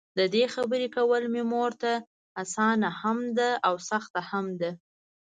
ددې خبري کول مې مورته؛ اسانه هم ده او سخته هم ده.